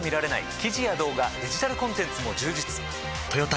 記事や動画デジタルコンテンツも充実